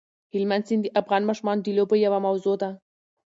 هلمند سیند د افغان ماشومانو د لوبو یوه موضوع ده.